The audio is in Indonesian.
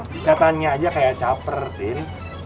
keliatannya aja kayak caper tin